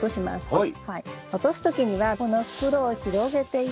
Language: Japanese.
はい。